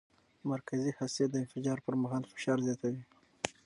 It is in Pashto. مرکزي هستي د انفجار پر مهال فشار زیاتوي.